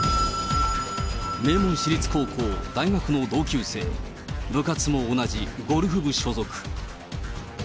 名門私立高校、大学の同級生、部活も同じゴルフ部所属。